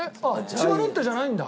千葉ロッテじゃないんだ？